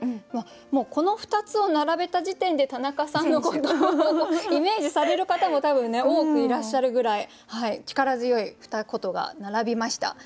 もうこの２つを並べた時点で田中さんのことをイメージされる方も多分ね多くいらっしゃるぐらい力強いふた言が並びました。